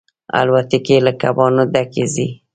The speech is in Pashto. الوتکې له کبانو ډکې ځي.